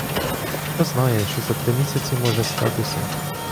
Хто знає, що за три місяці може статися!